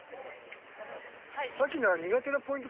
アキナ苦手なポイント